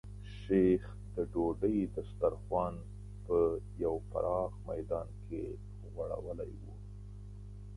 شیخ د ډوډۍ دسترخوان په یو پراخ میدان کې غوړولی و.